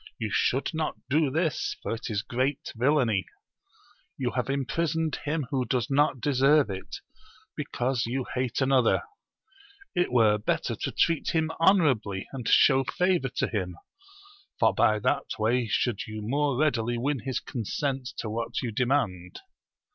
You should not do this, for it is great villainy: you have imprisoned him who does not deserve it, because you hate another ; it were better to treat him honourably, and show favour to him, for by that way should you more readily win his consent to what you demand.